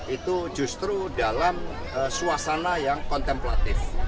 itu justru dalam suasana yang kontemplatif